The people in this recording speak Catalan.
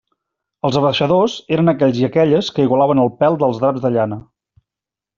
Els abaixadors eren aquells i aquelles que igualaven el pèl dels draps de llana.